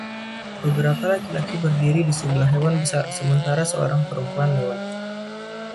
Beberapa laki-laki berdiri di sebelah hewan besar sementara seorang perempuan lewat.